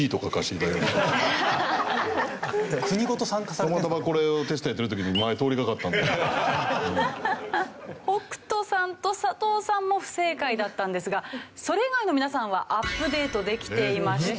たまたまこれテストをやってる時に北斗さんと佐藤さんも不正解だったんですがそれ以外の皆さんはアップデートできていました。